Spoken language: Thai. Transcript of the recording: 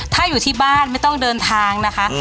ถ้าอยู่ที่บ้านไม่ต้องเดินทางนะคะ